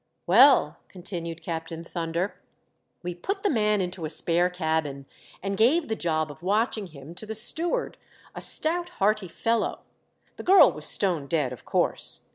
"Well," continued Captain Thunder, "we put the man into a spare cabin, and gave the job of watching him to the steward, a stout hearty fellow. The girl was stone dead, of course.